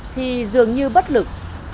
thì dường như bất lực